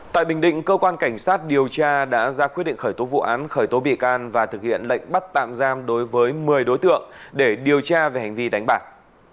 tại bình định cơ quan cảnh sát điều tra đã ra quyết định khởi tố vụ án khởi tố bị can và thực hiện lệnh bắt tạm giam đối với một mươi đối tượng để điều tra về hành vi đánh bạc